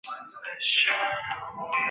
该湖的沉积物主要为盐和碱。